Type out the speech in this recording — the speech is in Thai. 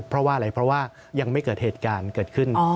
เพราะว่าอะไรเพราะว่ายังไม่เกิดเหตุการณ์เกิดขึ้น